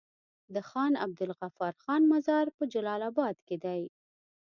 د خان عبدالغفار خان مزار په جلال اباد کی دی